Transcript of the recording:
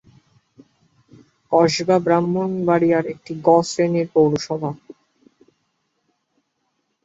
কসবা ব্রাহ্মণবাড়িয়ার একটি গ শ্রেণির পৌরসভা।